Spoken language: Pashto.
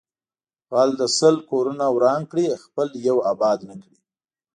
غل د سل کورونه وران کړي خپل یو آباد نکړي